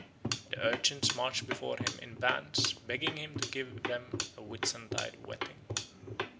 The urchins march before him in bands begging him to give them a Whitsuntide wetting.